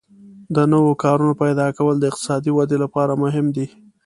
د نوو کارونو پیدا کول د اقتصادي ودې لپاره مهم دي.